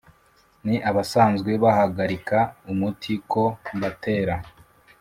Ni abasanzwe bahagarika umuti ko mbatera,